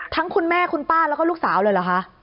คุณแม่คุณป้าแล้วก็ลูกสาวเลยเหรอคะ